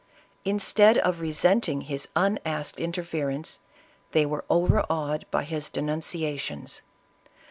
In stead of resenting his unasked interference, they were overawed by his denunciations.